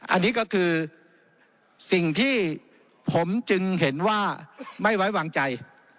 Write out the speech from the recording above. อันนี้ก็คือสิ่งที่ผมจึงเห็นว่าไม่ไว้วางใจ